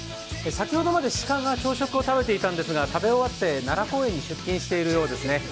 先ほどまで鹿が朝食を食べていたんですが食べ終わって、奈良公園に出勤しているようですね。